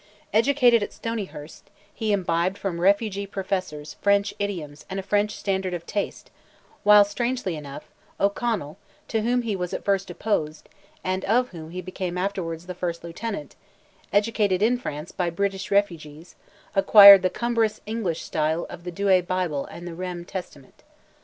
Educated at Stoneyhurst, he imbibed from refugee professors French idioms and a French standard of taste, while, strangely enough, O'Connell, to whom he was at first opposed, and of whom he became afterwards the first lieutenant, educated in France by British refugees, acquired the cumbrous English style of the Douay Bible and the Rheims Testament.